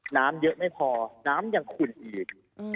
น้ำเยอะไม่พอน้ำยังขุ่นอีก